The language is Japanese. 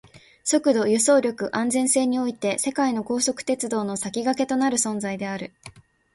速度、輸送力、安全性において世界の高速鉄道の先駆けとなる存在である